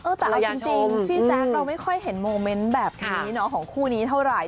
แต่เอาจริงพี่แจ๊คเราไม่ค่อยเห็นโมเมนต์แบบนี้เนาะของคู่นี้เท่าไหร่